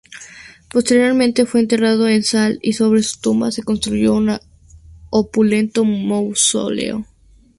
Posteriormente fue enterrado en sal, y sobre su tumba se construyó un opulento mausoleo.